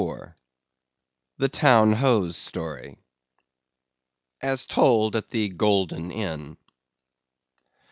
The Town Ho's Story. (_As told at the Golden Inn.